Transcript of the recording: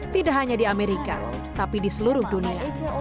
tidak hanya di amerika tapi di seluruh dunia